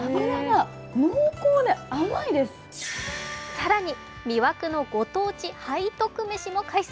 更に、魅惑のご当地背徳めしも開催。